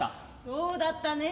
「そうだったね」。